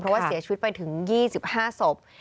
เพราะว่าเสียชีวิตไปถึง๒๕ศพ